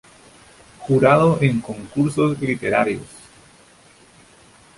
Jurado en concursos literarios.